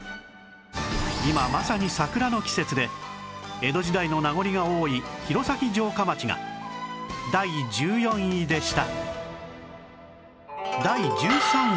今まさに桜の季節で江戸時代の名残が多い弘前城下町が第１４位でした